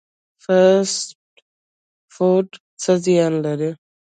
فاسټ فوډ څه زیان لري؟